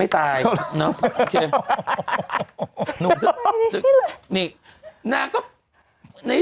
พี่ขอได้เจอรอบเงิน